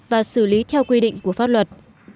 và xử lý theo quy định của pháp luật